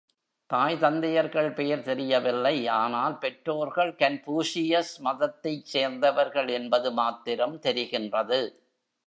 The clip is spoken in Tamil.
தாய் தந்தையர்கள் பெயர் தெரியவில்லை ஆனால் பெற்றோர்கள் கன்பூஷியஸ் மதத்தைச் சேர்ந்தவர்கள் என்பது மாத்திரம் தெரிகின்றது.